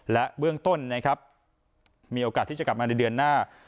และเบื้องต้นนะครับมีโอกาสที่จะกลับมาในเดือนหน้า